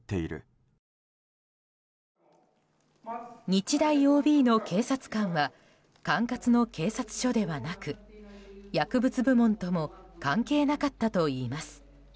日大ＯＢの警察官は管轄の警察署ではなく薬物部門とも関係なかったといいます。